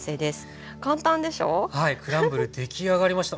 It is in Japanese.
クランブル出来上がりました。